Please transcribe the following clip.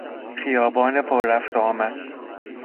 خیابان پر رفت و آمد